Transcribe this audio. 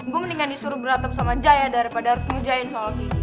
gue mendingan disuruh berlatep sama jaya daripada harus ngujahin soal begini